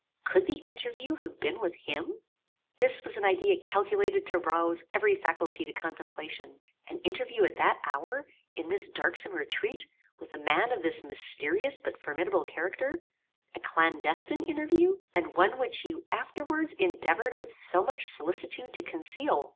Could the interview have been with him? "This was an idea calculated to rouse every faculty to contemplation. An interview at that hour, in this darksome retreat, with a man of this mysterious but formidable character; a clandestine interview, and one which you afterwards endeavoured with so much solicitude to conceal!